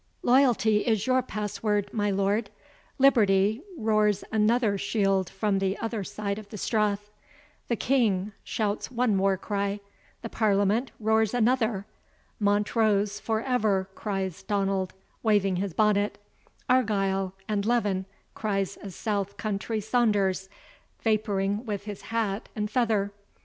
Loyalty is your pass word, my lord Liberty, roars another chield from the other side of the strath the King, shouts one war cry the Parliament, roars another Montrose, for ever, cries Donald, waving his bonnet Argyle and Leven, cries a south country Saunders, vapouring with his hat and feather.